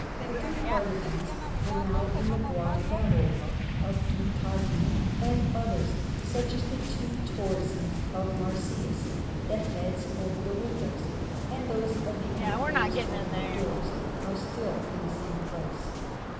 A good part of these are now in the guardaroba of Duke Cosimo, and others, such as the two torsi of Marsyas, the heads over the windows, and those of the Emperors over the doors, are still in the same place.